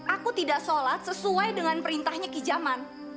aku tidak sholat sesuai dengan perintahnya kijaman